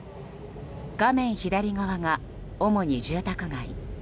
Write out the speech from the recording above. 画面左側が、主に住宅街。